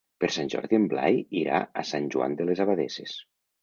Per Sant Jordi en Blai irà a Sant Joan de les Abadesses.